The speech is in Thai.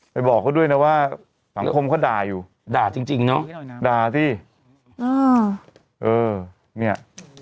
บอกเขาด้วยนะว่าสังคมเขาด่าอยู่ด่าจริงจริงเนอะด่าสิอ่าเออเนี่ย